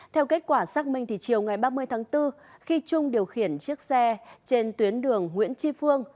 theo kết quả xác minh thì chiều ngày ba mươi tháng bốn khi trung điều khiển chiếc xe trên tuyến đường nguyễn tri phương